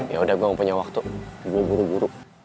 yaudah gue gak punya waktu gue buru buru